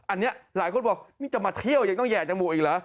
อันนี้หลายคนบอกนี่จะมาเที่ยวยังต้องแห่จมูกอีกเหรอ